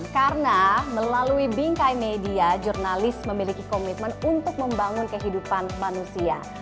karena melalui bingkai media jurnalis memiliki komitmen untuk membangun kehidupan manusia